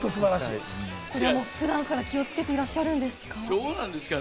普段から気をつけてらっしゃるんですか？